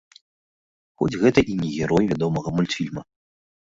Хоць гэта і не герой вядомага мультфільма.